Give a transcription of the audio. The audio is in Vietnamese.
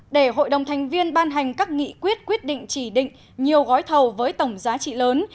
để hội đồng thành viên ban hành các nghị quyết quyết định chỉ định nhiều gói thầu với tổng giá trị lớn